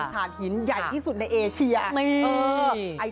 ฐานหินใหญ่ที่สุดในเอเชีย